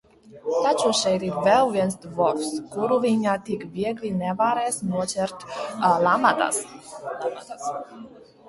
Taču šeit ir vēl viens dvorfs, kuru viņa tik viegli nevarēs noķert lamatās!